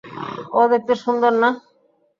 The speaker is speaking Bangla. ও দেখতে সুন্দর না?